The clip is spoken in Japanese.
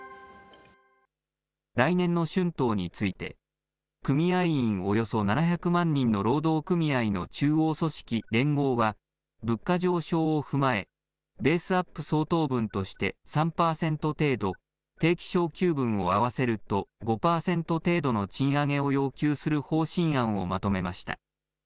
来年の春闘について、組合員およそ７００万人の労働組合の中央組織、連合は、物価上昇を踏まえ、ベースアップ相当分として３％程度、定期昇給分を合わせると５％程度の賃上げを要求する方針案をまとめました。